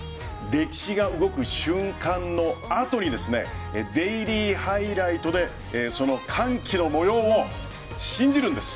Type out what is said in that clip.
歴史が動く瞬間のあとにデイリーハイライトでその歓喜の模様を信じるんです。